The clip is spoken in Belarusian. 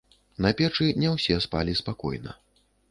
На печы не ўсе спалі спакойна.